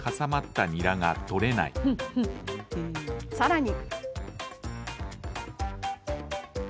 さらに。